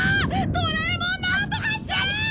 ドラえもんなんとかして！